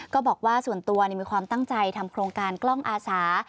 ก็บอกว่าส่วนตัวมีความตั้งใจทำโครงการกล้องอาสา